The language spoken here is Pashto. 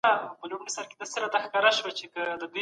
که تاسو خوشحاله یاست ماشومان هم خوشحاله وي.